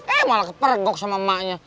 eh malah kepergok sama maknya